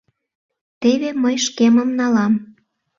— Теве мый шкемым налам.